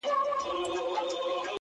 يه پر ما گرانه ته مي مه هېروه,